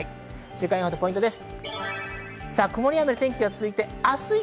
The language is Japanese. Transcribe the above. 週間予報とポイントです。